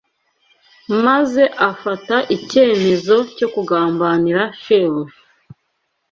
maze afata icyemezo cyo kugambanira Shebuja.